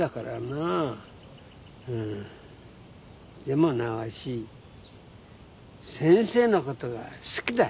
でもなわし先生のことが好きだ。